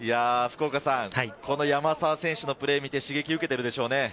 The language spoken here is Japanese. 山沢選手のプレーを見て、刺激を受けているでしょうね。